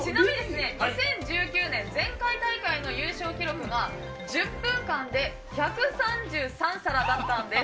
２０１９年前回大会の優勝記録が１０分間で１３３皿だったんです。